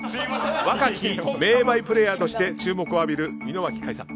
若き名バイプレーヤーとして注目を浴びる井之脇海さん。